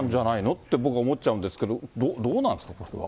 って、僕は思っちゃうんですが、どうなんですか、これは。